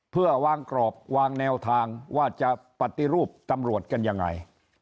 เพื่อวางกรอบวางแนวทางว่าจะปฏิรูปตำรวจกันยังไง